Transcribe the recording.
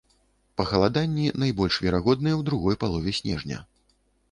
Пахаладанні найбольш верагодныя ў другой палове снежня.